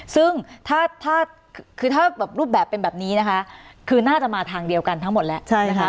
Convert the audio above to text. ซึ่งถ้าคือถ้าแบบรูปแบบเป็นแบบนี้นะคะคือน่าจะมาทางเดียวกันทั้งหมดแล้วนะคะ